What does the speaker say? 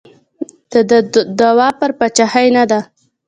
د ده دعوا پر پاچاهۍ نه ده.